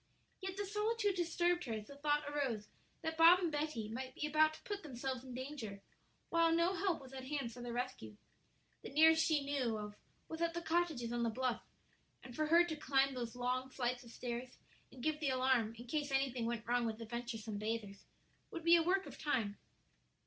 Yet the solitude disturbed her as the thought arose that Bob and Betty might be about to put themselves in danger, while no help was at hand for their rescue. The nearest she knew of was at the cottages on the bluff, and for her to climb those long flights of stairs and give the alarm in case anything went wrong with the venturesome bathers, would be a work of time.